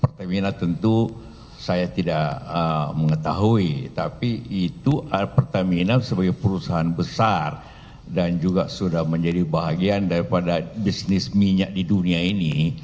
pertamina tentu saya tidak mengetahui tapi itu pertamina sebagai perusahaan besar dan juga sudah menjadi bahagian daripada bisnis minyak di dunia ini